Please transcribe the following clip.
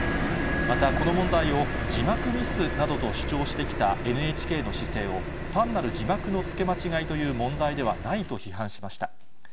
またこの問題を字幕ミスなどと主張してきたＮＨＫの姿勢を、単なる字幕のつけ間違いという問題ではないと批判しました。